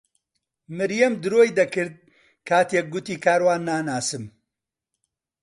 مریەم درۆی دەکرد کاتێک گوتی کاروان ناناسم.